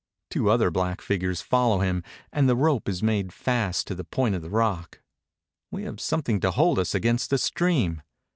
Two other black figures follow him and the rope is made fast to the point of the rock. We have something to hold us against the stream.